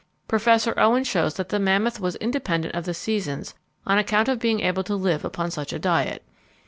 Professor Owen shows that the mammoth was independent of the seasons on account of being able to live upon such a diet.